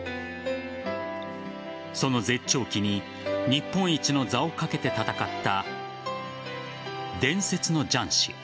その絶頂期に日本一の座をかけて戦った伝説の雀士